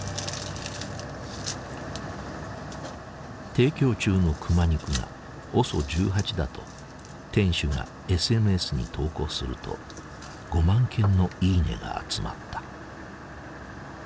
提供中の熊肉がＯＳＯ１８だと店主がＳＮＳに投稿すると５万件の「いいね」が集まった。